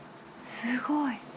すごい。